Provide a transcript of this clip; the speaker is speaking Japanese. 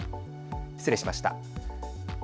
失礼しました。